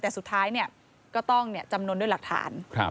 แต่สุดท้ายก็ต้องจำนวนด้วยหลักฐาน